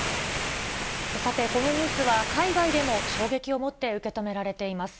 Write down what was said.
さて、このニュースは海外でも衝撃を持って受け止められています。